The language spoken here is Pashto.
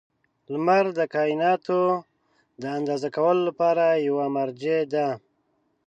• لمر د کایناتو د اندازه کولو لپاره یوه مرجع ده.